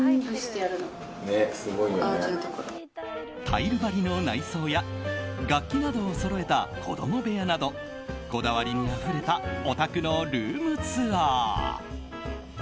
タイル張りの内装や楽器などをそろえた子供部屋などこだわりにあふれたお宅のルームツアー。